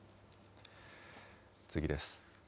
次です。